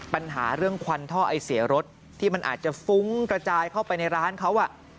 ปัญหาเรื่องควันท่อไอเสียรถที่มันอาจจะฟุ้งกระจายเข้าไปในร้านเขา